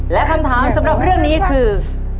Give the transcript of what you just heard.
และคำถามสำหรับเรื่องนี้คือ